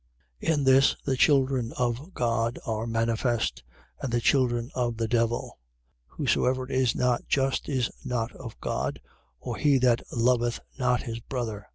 In this the children of God are manifest, and the children of the devil. Whosoever is not just is not of God, or he that loveth not his brother.